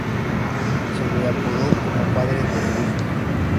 Se le apodó como "padre del swing".